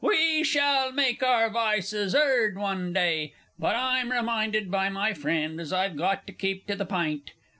_) We shall make our vices 'eard one day! But I'm reminded by my friend as I've got to keep to the pint.